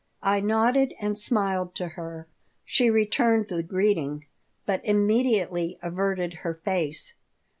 I nodded and smiled to her. She returned the greeting, but immediately averted her face.